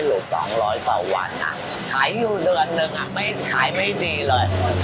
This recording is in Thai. หรือสองร้อยต่อวันขายอยู่เดือนนึงอ่ะไม่ขายไม่ดีเลย